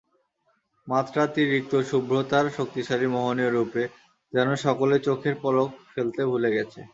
মাত্রাতিরিক্ত শুভ্রতার শক্তিশালী মোহনীয় রূপে যেন সকলে চোখের পলক ফেলতে ভুলে গেছে।